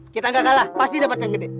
kita gak kalah pasti dapat yang gede